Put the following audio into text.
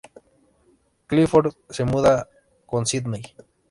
Clifford se muda con Sidney.